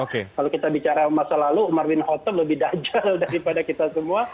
kalau kita bicara masa lalu umar win hotho lebih dajjal daripada kita semua